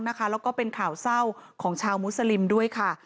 แล้วก็เป็นข่าวเศร้าของชาวมุสลิมด้วยค่ะ